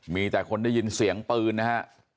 มีแต่คนได้ยินเสียงปืนนะฮะ